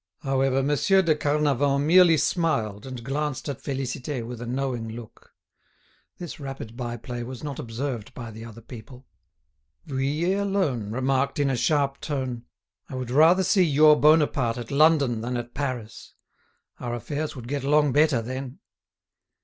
However, Monsieur de Carnavant merely smiled and glanced at Félicité with a knowing look. This rapid by play was not observed by the other people. Vuillet alone remarked in a sharp tone: "I would rather see your Bonaparte at London than at Paris. Our affairs would get along better then."